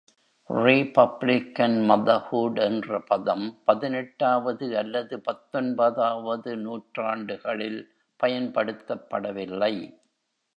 “Republican motherhood” என்ற பதம் பதினெட்டாவது அல்லது பத்தென்பதாவது நூற்றாண்டுகளில் பயன்படுத்தப்படவில்லை.